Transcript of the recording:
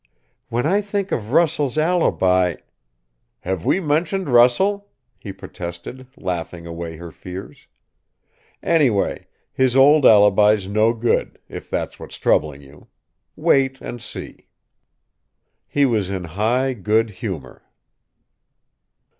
"When I think of Russell's alibi " "Have we mentioned Russell?" he protested, laughing away her fears. "Anyway, his old alibi's no good if that's what's troubling you. Wait and see!" He was in high good humour.